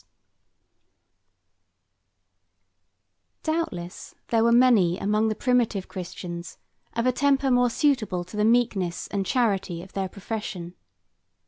—M.] Doubtless there were many among the primitive Christians of a temper more suitable to the meekness and charity of their profession.